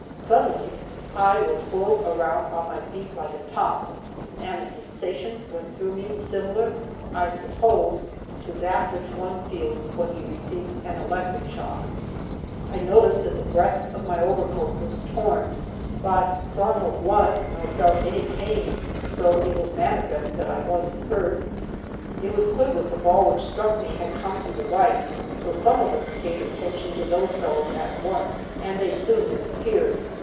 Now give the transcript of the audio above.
Suddenly I was whirled around on my feet like a top, and a sensation went through me similar, I suppose, to that which one feels when he receives an electric shock. I noticed that the breast of my overcoat was torn, but saw no blood nor felt any pain, so it was manifest that I wasn't hurt. It was clear that the ball which struck me had come from the right, so some of us paid attention to those fellows at once, and they soon disappeared.